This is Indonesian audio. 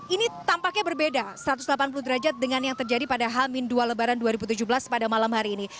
ini tampaknya berbeda satu ratus delapan puluh derajat dengan yang terjadi pada hamin dua lebaran dua ribu tujuh belas pada malam hari ini